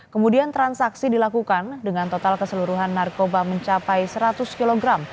kemudian transaksi dilakukan dengan total keseluruhan narkoba mencapai seratus kg